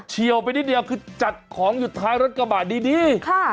เชี่ยวไปนิดเดียวคือจัดของอยู่ท้ายรถกระบะดี